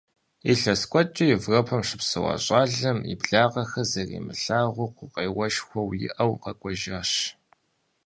Илъэс куэдкӀэ Европэм щыпсэуа щӏалэм, и благъэхэр зэримылъагъур гукъеуэшхуэу иӀэу, къэкӀуэжащ.